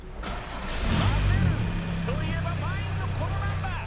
「混ぜる」といえばまいんのこのナンバー！